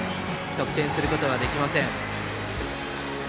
得点することはできません。